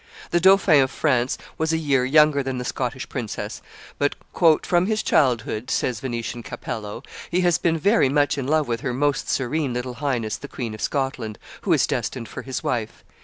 The dauphin of France was a year younger than the Scottish princess; but "from his childhood," says the Venetian Capello, "he has been very much in love with her Most Serene little Highness the Queen of Scotland, who is destined for his wife.